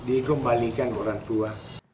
dikembalikan ke orang tua